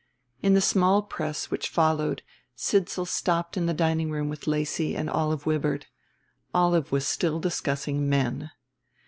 In the small press which followed Sidsall stopped in the dining room with Lacy and Olive Wibird. Olive was still discussing men.